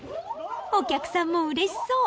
お客さんも嬉しそう。